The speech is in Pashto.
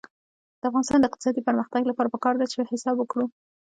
د افغانستان د اقتصادي پرمختګ لپاره پکار ده چې حساب وکړو.